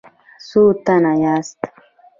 څو تنه یاست؟